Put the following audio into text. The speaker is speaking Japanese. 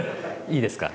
いいですか？